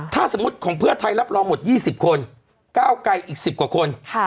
ถ้าสมมุติของเพื่อไทยรับรองหมด๒๐คนก้าวไกรอีก๑๐กว่าคน